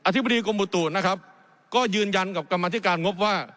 ธิบดีกรมบุตุนะครับก็ยืนยันกับกรรมธิการงบว่า